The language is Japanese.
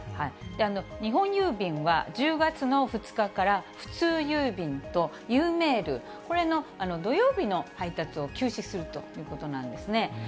日本郵便は１０月の２日から、普通郵便とゆうメール、これの土曜日の配達を休止するということなんですね。